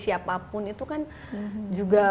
siapapun itu kan juga